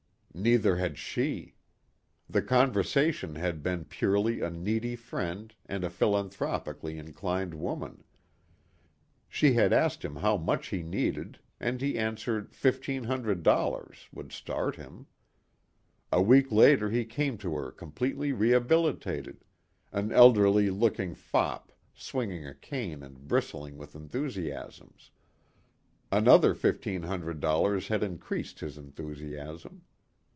Neither had she. The conversation had been purely a needy friend and a philanthropically inclined woman. She had asked him how much he needed and he answered $1,500 would start him. A week later he came to her completely rehabilitated an elderly looking fop swinging a cane and bristling with enthusiasms. Another $1,500 had increased his enthusiasm.